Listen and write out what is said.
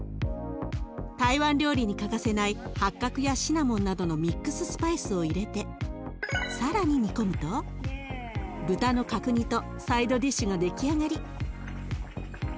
台湾料理に欠かせない八角やシナモンなどのミックススパイスを入れて更に煮込むと豚の角煮とサイドディッシュが出来上がり。